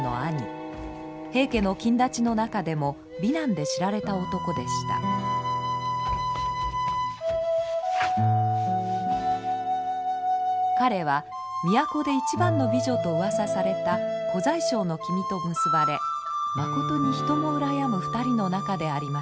平家の公達の中でも美男で知られた男でした彼は都で一番の美女とうわさされた小宰相の君と結ばれまことに人も羨む２人の仲でありました。